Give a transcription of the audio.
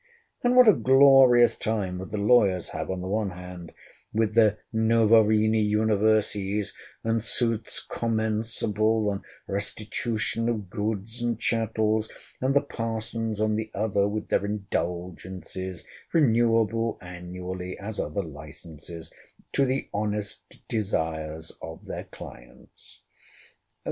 And what a glorious time would the lawyers have, on the one hand, with their noverini universi's, and suits commenceable on restitution of goods and chattels; and the parsons, on the other, with their indulgencies [renewable annually, as other licenses] to the honest desires of their clients?